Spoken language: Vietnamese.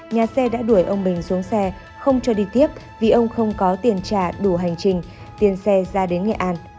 nhà xe đã đuổi ông bình xuống xe không cho đi tiếp vì ông không có tiền trả đủ hành trình tiền xe ra đến nghệ an